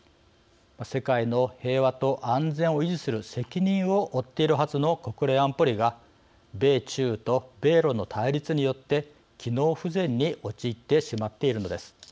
世界の平和と安全を維持する責任を負っているはずの国連安保理が、米中と米ロの対立によって機能不全に陥ってしまっているのです。